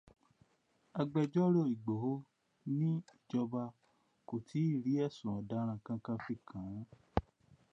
Agbẹjọ́rò Ìgbòho ní ìjọba kò tíì rí ẹ̀sùn ọ̀daràn kankan fi kàn án.